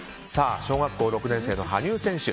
小学校６年生の羽生選手